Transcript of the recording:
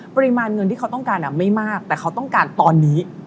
ปริมาณเงินที่เขาต้องการไม่มากแต่เขาต้องการตอนนี้